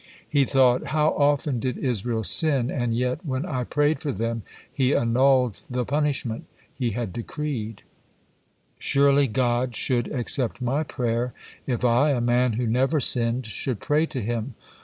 He thought: "How often did Israel sin, and yet, when I prayed for them, He annulled the punishment He had decreed; surely God should accept my prayer, if I a man who never sinned should pray to Him."